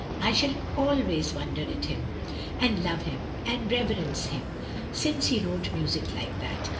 I shall always wonder at him, and love him, and reverence him — since he wrote music like that.